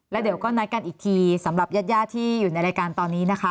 แล้วเดี๋ยวก็นัดกันอีกทีสำหรับญาติญาติที่อยู่ในรายการตอนนี้นะคะ